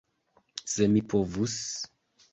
Se mi povus!